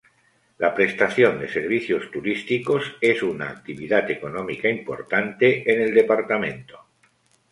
La prestación de servicios turísticos es una actividad económica importante en el departamento.